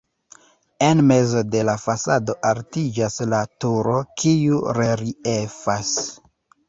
En mezo de la fasado altiĝas la turo, kiu reliefas.